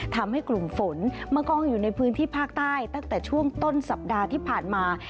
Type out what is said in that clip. ทำให้กลุ่มฝนมากองอยู่ในพื้นที่ภาคใต้ตั้งแต่ช่วงต้นสัปดาห์ที่ผ่านมา